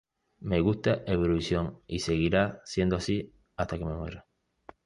Me gusta Eurovisión y seguirá siendo así hasta que me muera.